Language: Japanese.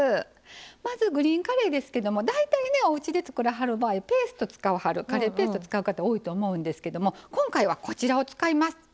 まずグリーンカレーですけども大体おうちで作らはる場合カレーペーストを使う方多いと思うんですけども今回はこちらを使います。